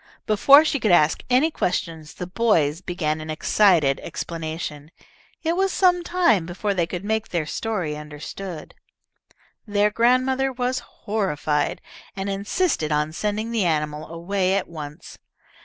Before she could ask any questions, the boys began an excited explanation. It was some time before they could make their story understood. Their grandmother was horrified, and insisted on sending the animal away at once.